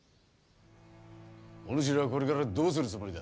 お主らはこれからどうするつもりだ？